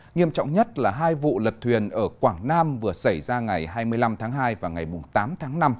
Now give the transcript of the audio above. nghiêm trọng nhất là hai vụ lật thuyền ở quảng nam vừa xảy ra ngày hai mươi năm tháng hai và ngày tám tháng năm